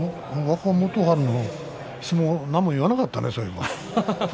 若元春の相撲、言わなかったね